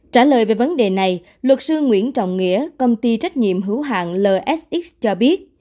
trả lời về vấn đề này luật sư nguyễn trọng nghĩa công ty trách nhiệm hữu hạng lsx cho biết